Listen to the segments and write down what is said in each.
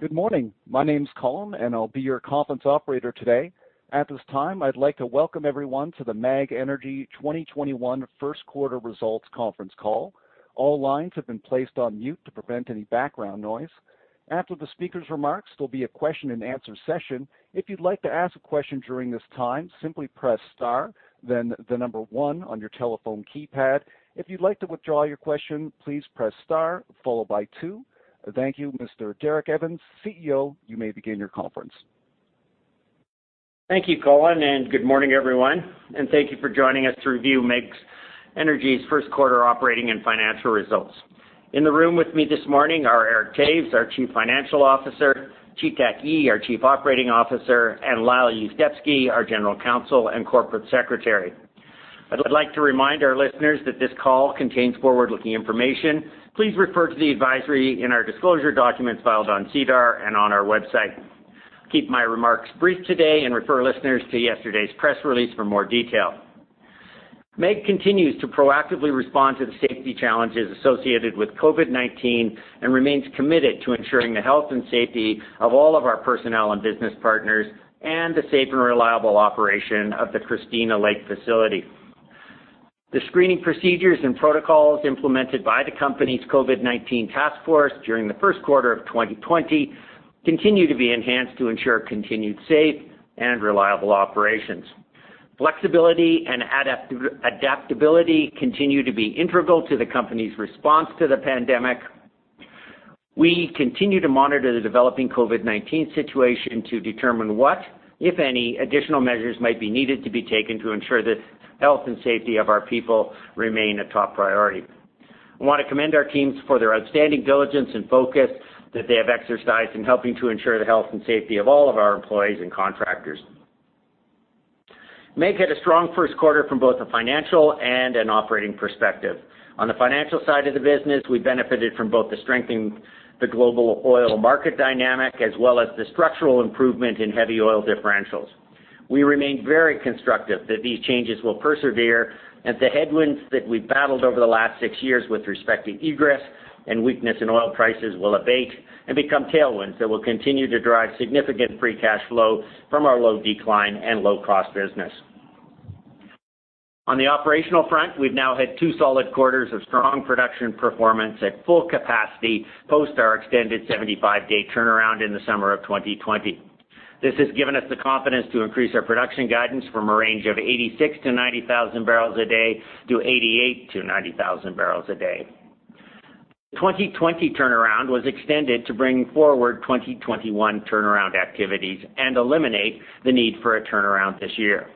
Good morning. My name's Colin, and I'll be your conference operator today. At this time, I'd like to welcome everyone to the MEG Energy 2021 Q1 results conference call. All lines have been placed on mute to prevent any background noise. After the speakers' remarks, there'll be a question and answer session. If you'd like to ask a question during this time, simply press star, then the number one on your telephone keypad. If you'd like to withdraw your question, please press star followed by two. Thank you, Mr. Derek Evans, CEO, you may begin your conference. Thank you, Colin, and good morning, everyone, and thank you for joining us to review MEG Energy's Q1 operating and financial results. In the room with me this morning are Eric Toews, our Chief Financial Officer, Chi-Tak Yee, our Chief Operating Officer, and Lyle Yuzdepski, our General Counsel and Corporate Secretary. I'd like to remind our listeners that this call contains forward-looking information. Please refer to the advisory in our disclosure documents filed on SEDAR and on our website. I'll keep my remarks brief today and refer listeners to yesterday's press release for more detail. MEG continues to proactively respond to the safety challenges associated with COVID-19 and remains committed to ensuring the health and safety of all of our personnel and business partners, and the safe and reliable operation of the Christina Lake facility. The screening procedures and protocols implemented by the company's COVID-19 task force during Q1 of 2020 continue to be enhanced to ensure continued safe and reliable operations. Flexibility and adaptability continue to be integral to the company's response to the pandemic. We continue to monitor the developing COVID-19 situation to determine what, if any, additional measures might be needed to be taken to ensure that health and safety of our people remain a top priority. I want to commend our teams for their outstanding diligence and focus that they have exercised in helping to ensure the health and safety of all of our employees and contractors. MEG had a strong Q1 from both a financial and an operating perspective. On the financial side of the business, we benefited from both the strength in the global oil market dynamic, as well as the structural improvement in heavy oil differentials. We remain very constructive that these changes will persevere and the headwinds that we've battled over the last six years with respect to egress and weakness in oil prices will abate and become tailwinds that will continue to drive significant free cash flow from our low-decline and low-cost business. On the operational front, we've now had two solid quarters of strong production performance at full capacity post our extended 75-day turnaround in the summer of 2020. This has given us the confidence to increase our production guidance from a range of 86,000 to 90,000 barrels a day to 88,000 to 90,000 barrels a day. The 2020 turnaround was extended to bring forward 2021 turnaround activities and eliminate the need for a turnaround this year.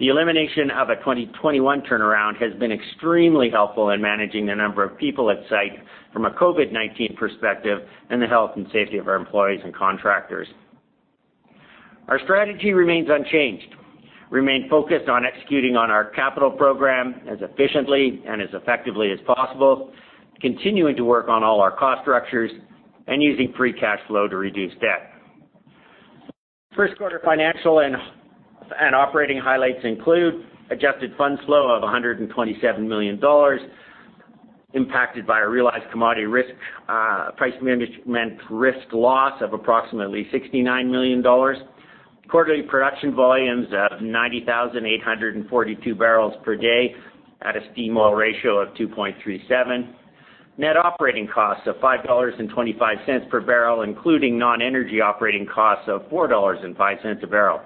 The elimination of a 2021 turnaround has been extremely helpful in managing the number of people at site from a COVID-19 perspective and the health and safety of our employees and contractors. Our strategy remains unchanged. Remain focused on executing on our capital program as efficiently and as effectively as possible, continuing to work on all our cost structures and using free cash flow to reduce debt. First quarter financial and operating highlights include adjusted funds flow of 127 million dollars, impacted by a realized commodity risk price management risk loss of approximately 69 million dollars. Quarterly production volumes of 90,842 barrels per day at a steam oil ratio of 2.37. Net operating costs of 5.25 dollars per barrel, including non-energy operating costs of 4.05 dollars a barrel.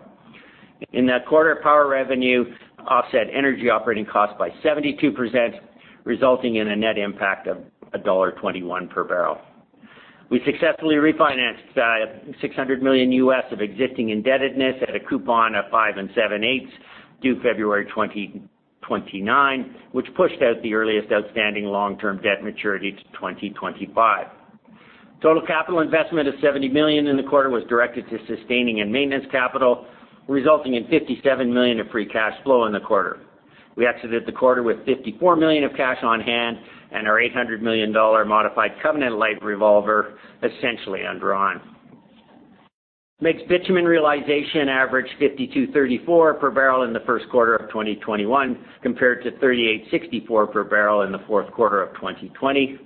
In that quarter, power revenue offset energy operating costs by 72%, resulting in a net impact of dollar 1.21 per barrel. We successfully refinanced $600 million of existing indebtedness at a coupon of five and seven-eighths, due February 2029, which pushed out the earliest outstanding long-term debt maturity to 2025. Total capital investment of 70 million in the quarter was directed to sustaining and maintenance capital, resulting in 57 million of free cash flow in the quarter. We exited the quarter with 54 million of cash on hand and our 800 million dollar modified covenant- revolver essentially undrawn. MEG's bitumen realization averaged 52.34 per barrel in Q1 of 2021 compared to 38.64 per barrel in Q4 of 2020.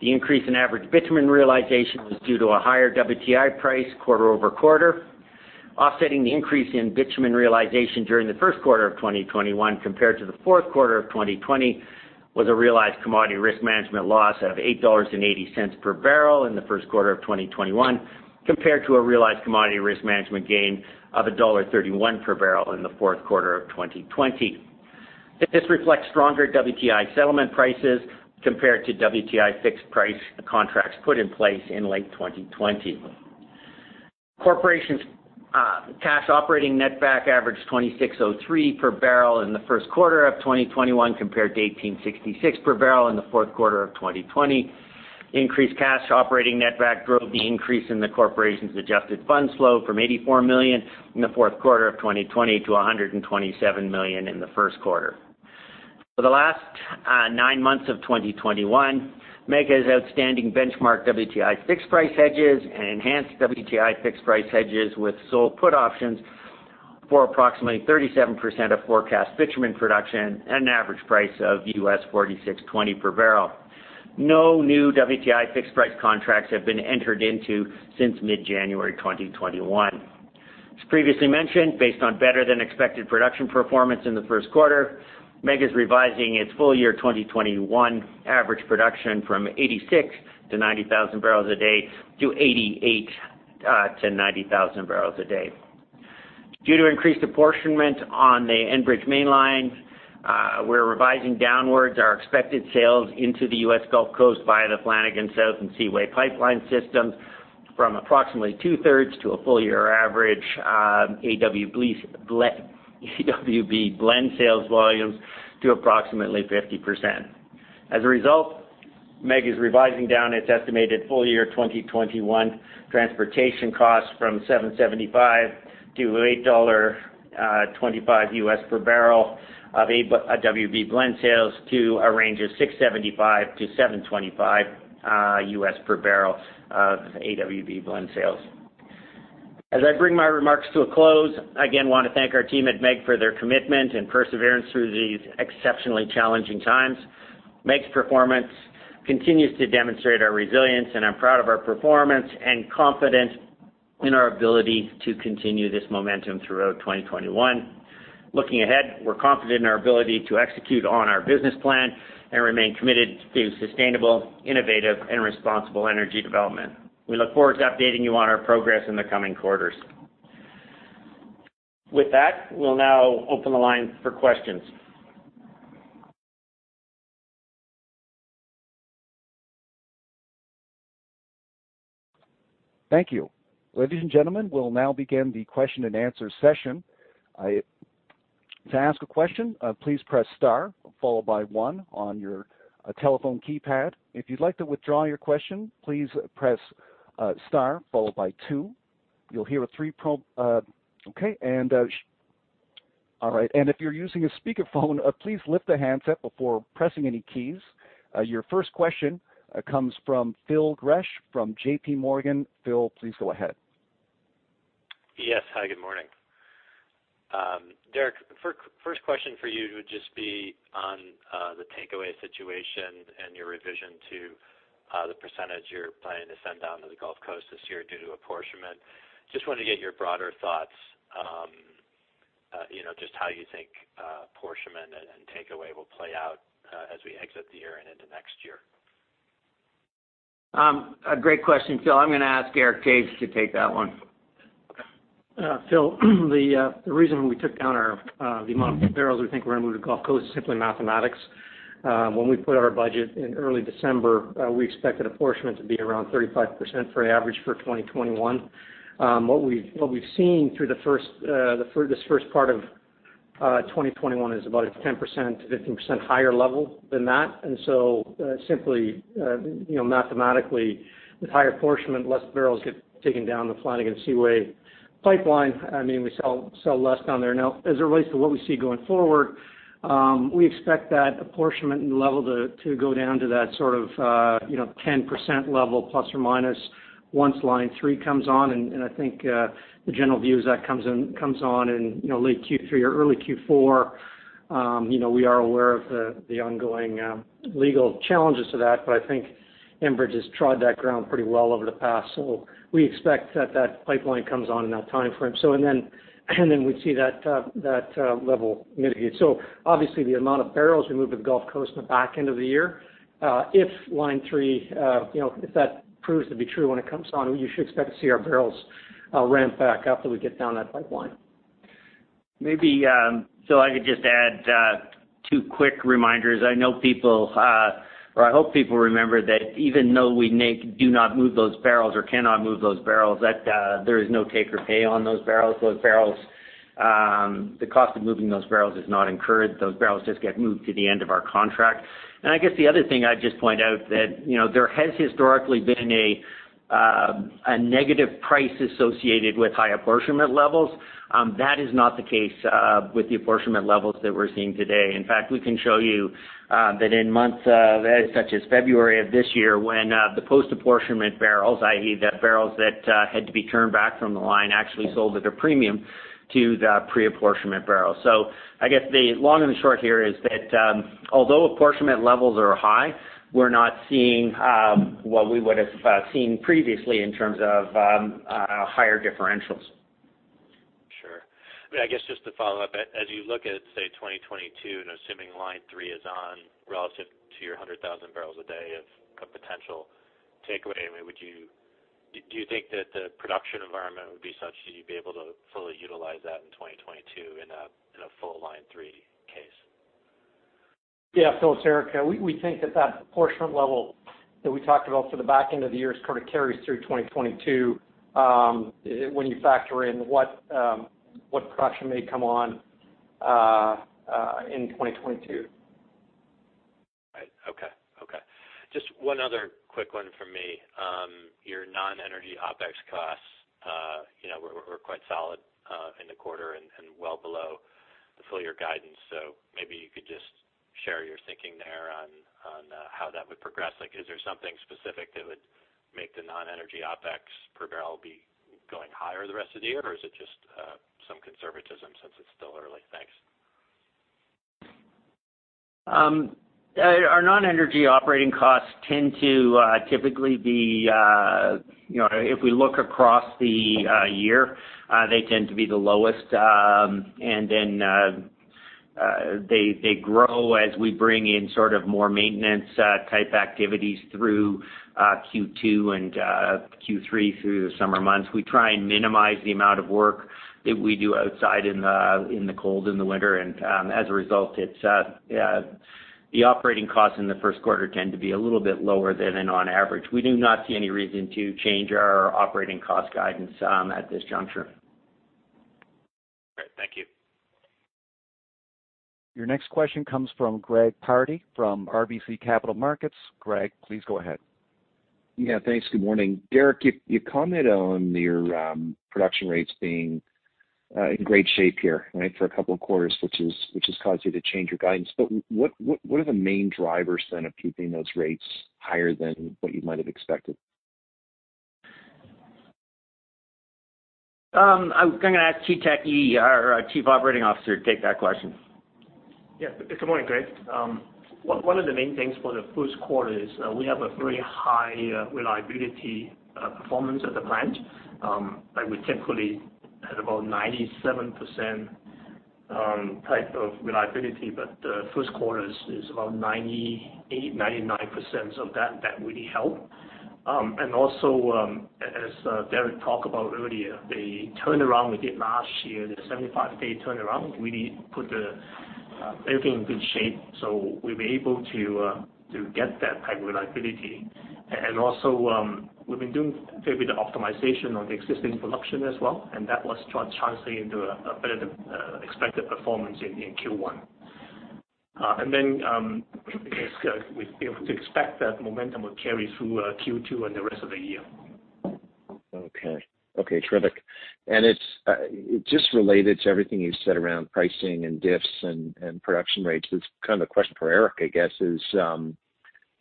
The increase in average bitumen realization was due to a higher WTI price quarter-over-quarter. Offsetting the increase in bitumen realization during Q1 of 2021 compared to Q4 of 2020 was a realized commodity risk management loss of 8.80 dollars per barrel in Q1 of 2021 compared to a realized commodity risk management gain of dollar 1.31 per barrel in Q4 of 2020. This reflects stronger WTI settlement prices compared to WTI fixed price contracts put in place in late 2020. Corporation's cash operating netback averaged 26.03 per barrel in Q1 of 2021 compared to 18.66 per barrel in Q4 of 2020. Increased cash operating netback drove the increase in the corporation's adjusted funds flow from 84 million in Q4 of 2020 to 127 million in Q1. For the last nine months of 2021, MEG has outstanding benchmark WTI fixed price hedges and enhanced WTI fixed price hedges with sold put options for approximately 37% of forecast bitumen production and an average price of $46.20 per barrel. No new WTI fixed price contracts have been entered into since mid-January 2021. As previously mentioned, based on better than expected production performance in Q1, MEG is revising its full year 2021 average production from 86,000-90,000 barrels a day to 88,000-90,000 barrels a day. Due to increased apportionment on the Enbridge mainline, we're revising downwards our expected sales into the U.S. Gulf Coast via the Flanagan South and Seaway pipeline systems from approximately two-thirds to a full year average, AWB blend sales volumes to approximately 50%. As a result, MEG is revising down its estimated full year 2021 transportation costs from $7.75 US per barrel-$8.25 US per barrel of Access Western Blend sales to a range of $6.75 US per barrel-$7.25 US per barrel of Access Western Blend sales. As I bring my remarks to a close, I again want to thank our team at MEG for their commitment and perseverance through these exceptionally challenging times. MEG's performance continues to demonstrate our resilience, and I'm proud of our performance and confidence in our ability to continue this momentum throughout 2021. Looking ahead, we're confident in our ability to execute on our business plan and remain committed to sustainable, innovative and responsible energy development. We look forward to updating you on our progress in the coming quarters. With that, we'll now open the line for questions. Thank you. Ladies and gentlemen, we'll now begin the question-and-answer session. To ask a question, please press star followed by one on your telephone keypad. If you'd like to withdraw your question, please press star followed by two. Okay. All right. If you're using a speakerphone, please lift the handset before pressing any keys. Your first question comes from Phil Gresh from JPMorgan. Phil, please go ahead. Yes. Hi, good morning. Derek, first question for you would just be on the takeaway situation and your revision to the percentage you're planning to send down to the Gulf Coast this year due to apportionment. Just wanted to get your broader thoughts, just how you think apportionment and takeaway will play out as we exit the year and into next year. Great question, Phil. I'm going to ask Eric Toews to take that one. Phil, the reason we took down the amount of barrels we think we're going to move to Gulf Coast is simply mathematics. When we put our budget in early December, we expected apportionment to be around 35% for average for 2021. What we've seen through this first part of 2021 is about a 10%-15% higher level than that, and so simply, mathematically with higher apportionment, less barrels get taken down the Flanagan Seaway pipeline. We sell less down there. Now, as it relates to what we see going forward, we expect that apportionment level to go down to that sort of 10% level, ±, once Line 3 comes on, and I think the general view is that comes on in late Q3 or early Q4. We are aware of the ongoing legal challenges to that. I think Enbridge has tried that ground pretty well over the past. We expect that pipeline comes on in that timeframe. We'd see that level mitigate. Obviously the amount of barrels we move to the Gulf Coast in the back end of the year, if Line 3 proves to be true when it comes on, you should expect to see our barrels ramp back up when we get down that pipeline. Phil, I could just add two quick reminders. I know people, or I hope people remember that even though we do not move those barrels or cannot move those barrels, that there is no take or pay on those barrels. The cost of moving those barrels is not incurred. Those barrels just get moved to the end of our contract. I guess the other thing I'd just point out that there has historically been a negative price associated with high apportionment levels. That is not the case with the apportionment levels that we're seeing today. In fact, we can show you that in months such as February of this year, when the post-apportionment barrels, i.e., the barrels that had to be turned back from the line actually sold at a premium to the pre-apportionment barrels. I guess the long and short here is that, although apportionment levels are high, we're not seeing what we would've seen previously in terms of higher differentials. Sure. I guess just to follow up, as you look at, say, 2022, and assuming Line 3 is on relative to your 100,000 barrels a day of potential takeaway, do you think that the production environment would be such that you'd be able to fully utilize that in 2022 in a full Line 3 case? Yeah. It's Eric. We think that that apportionment level that we talked about for the back end of the year sort of carries through 2022, when you factor in what production may come on in 2022. Right. Okay. Just one other quick one from me. Your non-energy OpEx costs were quite solid in the quarter, fulfill your guidance. Maybe you could just share your thinking there on how that would progress. Is there something specific that would make the non-energy OpEx per barrel be going higher the rest of the year? Is it just some conservatism since it's still early? Thanks. Our non-energy operating costs tend to typically be. If we look across the year, they tend to be the lowest. Then they grow as we bring in more maintenance-type activities through Q2 and Q3, through the summer months. We try and minimize the amount of work that we do outside in the cold, in the winter. As a result, the operating costs in Q1 tend to be a little bit lower than on average. We do not see any reason to change our operating cost guidance at this juncture. Great. Thank you. Your next question comes from Greg Pardy from RBC Capital Markets. Greg, please go ahead. Yeah, thanks. Good morning. Derek, you comment on your production rates being in great shape here for a couple of quarters, which has caused you to change your guidance. What are the main drivers, then, of keeping those rates higher than what you might have expected? I'm going to ask Chi-Tak Yee, our Chief Operating Officer, to take that question. Good morning, Greg. One of the main things for Q1 is we have a very high reliability performance at the plant. We typically had about 97% type of reliability, but Q1 is around 98%, 99%. That really helped. Also, as Derek talked about earlier, the 75-day turnaround we did last year, really put everything in good shape. We've been able to get that type of reliability. Also, we've been doing a fair bit of optimization on the existing production as well, and that was translating into a better-than-expected performance in Q1. Then, we're able to expect that momentum will carry through Q2 and the rest of the year. Okay. Terrific. Just related to everything you said around pricing and diffs and production rates, this is kind of a question for Eric, I guess is,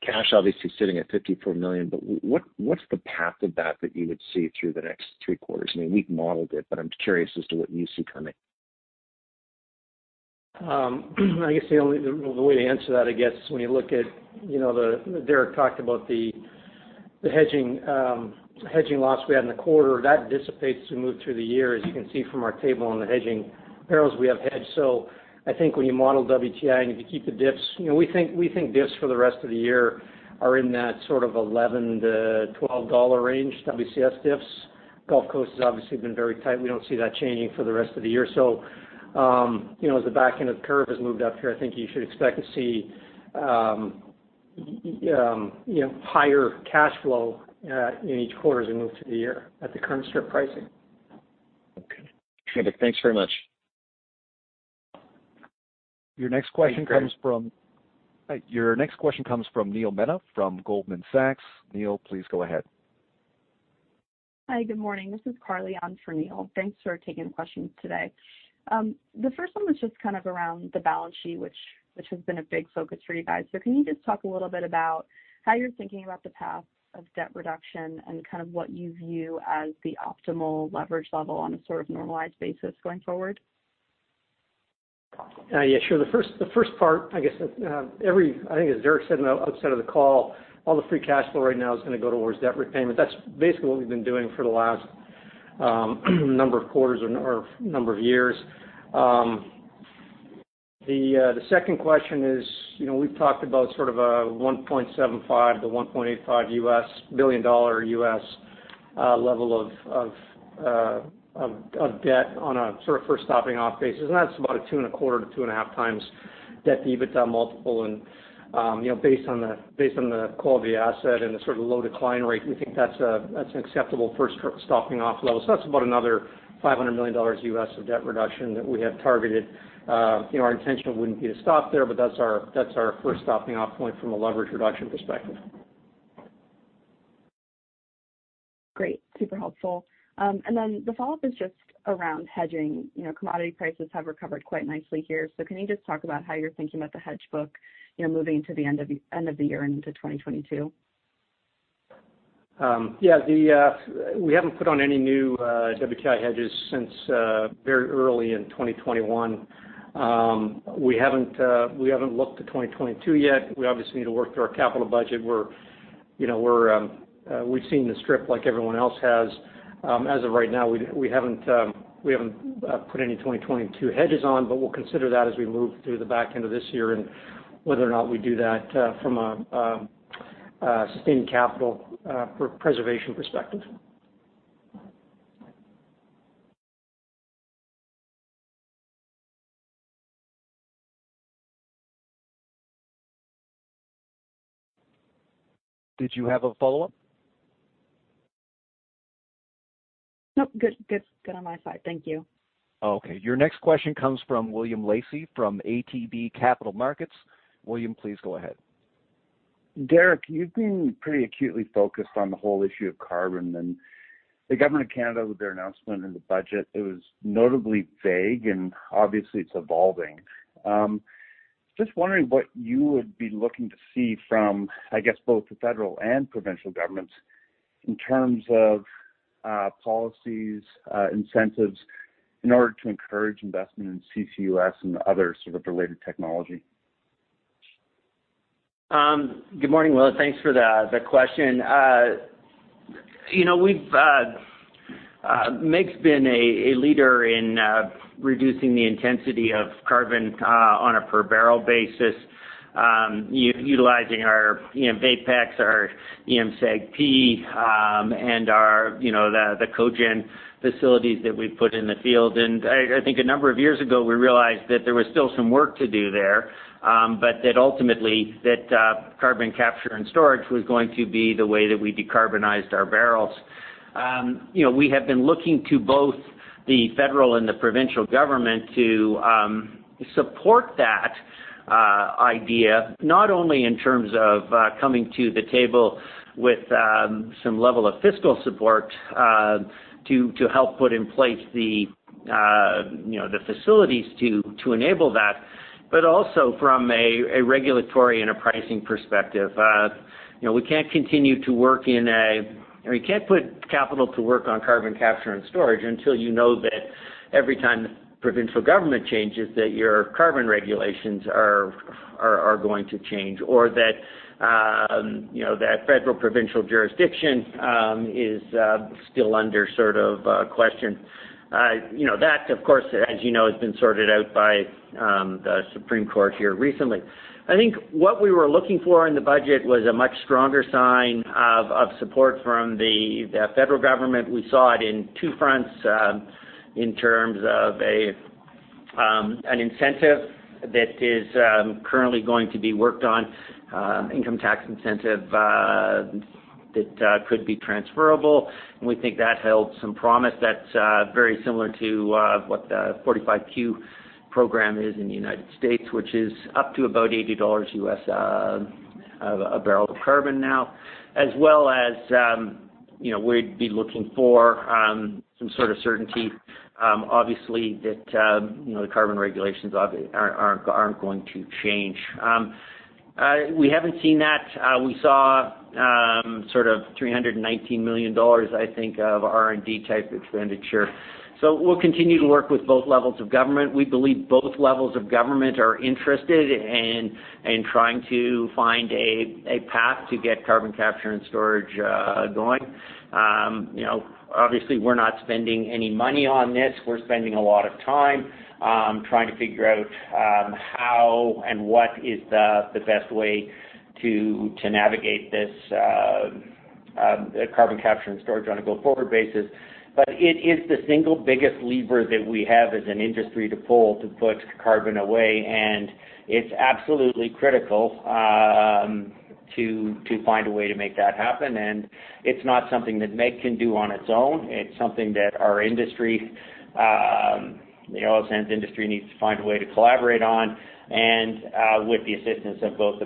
cash obviously sitting at 54 million, but what's the path of that that you would see through the next three quarters? I mean, we've modeled it, but I'm curious as to what you see coming. I guess the only way to answer that is when you look at Derek talked about the hedging loss we had in the quarter. That dissipates as we move through the year, as you can see from our table on the hedging barrels we have hedged. I think when you model WTI, and if you keep the diffs. We think diffs for the rest of the year are in that sort of 11-12 dollar range, WCS diffs. Gulf Coast has obviously been very tight. We don't see that changing for the rest of the year. As the back end of the curve has moved up here, I think you should expect to see higher cash flow in each quarter as we move through the year at the current strip pricing. Okay. Terrific. Thanks very much. Your next question comes from. Thanks, Greg. Your next question comes from Neil Mehta from Goldman Sachs. Neil, please go ahead. Hi, good morning. This is Carly on for Neil. Thanks for taking the questions today. The first one was just kind of around the balance sheet, which has been a big focus for you guys. Can you just talk a little bit about how you're thinking about the path of debt reduction and kind of what you view as the optimal leverage level on a sort of normalized basis going forward? Yeah, sure. The first part, I guess, I think as Derek said outside of the call, all the free cash flow right now is going to go towards debt repayment. That's basically what we've been doing for the last number of quarters or number of years. The second question is, we've talked about sort of a $1.75 billion-$1.85 billion level of debt on a sort of first stopping off base. That's about a 2.25x-2.5x debt to EBITDA multiple. Based on the quality of the asset and the sort of low decline rate, we think that's an acceptable first stopping off level. That's about another $500 million of debt reduction that we have targeted. Our intention wouldn't be to stop there, but that's our first stopping off point from a leverage reduction perspective. Great. Super helpful. The follow-up is just around hedging. Commodity prices have recovered quite nicely here. Can you just talk about how you're thinking about the hedge book, moving to the end of the year into 2022? Yeah. We haven't put on any new WTI hedges since very early in 2021. We haven't looked to 2022 yet. We obviously need to work through our capital budget. We've seen the strip like everyone else has. As of right now, we haven't put any 2022 hedges on, but we'll consider that as we move through the back end of this year and whether or not we do that from a sustained capital preservation perspective. Did you have a follow-up? Nope. Good on my side. Thank you. Okay, your next question comes from William Lacey from ATB Capital Markets. William, please go ahead. Derek, you've been pretty acutely focused on the whole issue of carbon, and the Government of Canada with their announcement in the budget, it was notably vague and obviously it's evolving. Just wondering what you would be looking to see from, I guess, both the federal and provincial governments in terms of policies, incentives in order to encourage investment in CCUS and other sort of related technology. Good morning, Will. Thanks for the question. MEG's been a leader in reducing the intensity of carbon, on a per barrel basis, utilizing eMVAPEX, our SAGD and the cogen facilities that we've put in the field. I think a number of years ago, we realized that there was still some work to do there, but that ultimately that carbon capture and storage was going to be the way that we decarbonized our barrels. We have been looking to both the federal and the provincial government to support that idea, not only in terms of coming to the table with some level of fiscal support to help put in place the facilities to enable that, but also from a regulatory and a pricing perspective. We can't put capital to work on carbon capture and storage until you know that every time the provincial government changes, that your carbon regulations are going to change or that federal provincial jurisdiction is still under sort of question. That of course, as you know, has been sorted out by the Supreme Court here recently. I think what we were looking for in the budget was a much stronger sign of support from the federal government. We saw it in two fronts, in terms of an incentive that is currently going to be worked on, income tax incentive, that could be transferable. We think that held some promise that's very similar to what the 45Q program is in the United States, which is up to about $80 a barrel of carbon now. We'd be looking for some sort of certainty, obviously that the carbon regulations aren't going to change. We haven't seen that. We saw sort of 319 million dollars, I think, of R&D type expenditure. We'll continue to work with both levels of government. We believe both levels of government are interested in trying to find a path to get carbon capture and storage going. Obviously we're not spending any money on this. We're spending a lot of time trying to figure out how and what is the best way to navigate this carbon capture and storage on a go forward basis. It is the single biggest lever that we have as an industry to pull to put carbon away, and it's absolutely critical to find a way to make that happen. It's not something that MEG can do on its own. It's something that our industry, the oil sands industry needs to find a way to collaborate on and, with the assistance of both the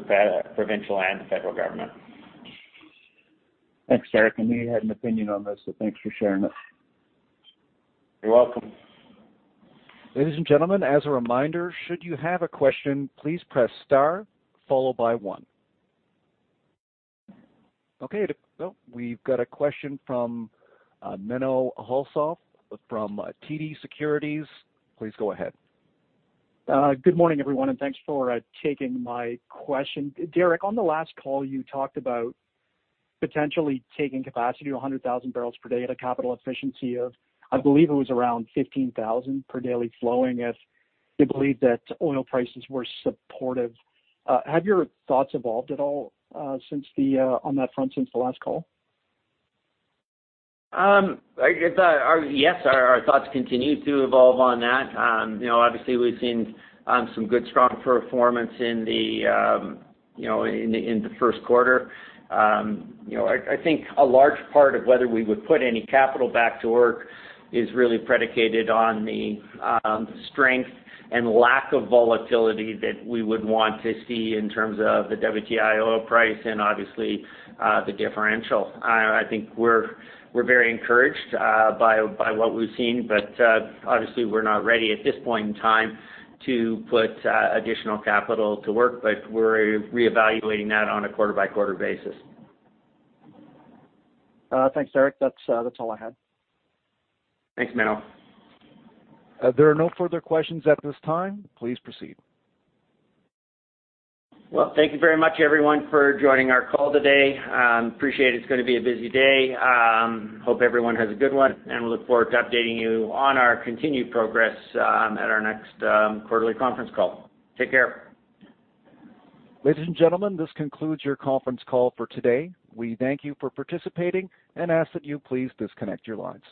provincial and the federal government. Thanks, Derek. I knew you had an opinion on this, so thanks for sharing it. You're welcome. Ladies and gentlemen, as a reminder, should you have a question, please press star followed by one. Okay, we've got a question from Menno Hulshof from TD Securities. Please go ahead. Good morning everyone, and thanks for taking my question. Derek, on the last call, you talked about potentially taking capacity to 100,000 barrels per day at a capital efficiency of, I believe it was around 15,000 per daily flowing if you believe that oil prices were supportive. Have your thoughts evolved at all on that front since the last call? Yes. Our thoughts continue to evolve on that. Obviously we've seen some good, strong performance in the first quarter. I think a large part of whether we would put any capital back to work is really predicated on the strength and lack of volatility that we would want to see in terms of the WTI oil price and obviously, the differential. I think we're very encouraged by what we've seen, but obviously we're not ready at this point in time to put additional capital to work, but we're reevaluating that on a quarter by quarter basis. Thanks, Derek. That's all I had. Thanks, Menno. There are no further questions at this time. Please proceed. Well, thank you very much everyone for joining our call today. Appreciate it. It's going to be a busy day. Hope everyone has a good one, and we look forward to updating you on our continued progress at our next quarterly conference call. Take care. Ladies and gentlemen, this concludes your conference call for today. We thank you for participating and ask that you please disconnect your lines.